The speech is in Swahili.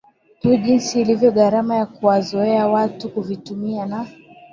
tu jinsi ilivyo gharama ya kuwazoeza watu kuvitumia na